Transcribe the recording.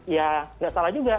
ya tidak salah juga